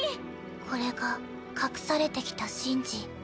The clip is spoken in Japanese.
これが隠されてきた神事。